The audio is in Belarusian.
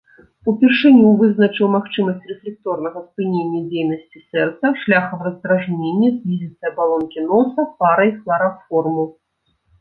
Упершыню вызначыў магчымасць рэфлекторнага спынення дзейнасці сэрца шляхам раздражнення слізістай абалонкі носа парай хлараформу.